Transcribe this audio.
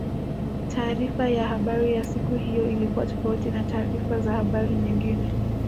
taarifa ya habari ya siku hiyo ilikuwa tofauti na taarifa za habari nyingine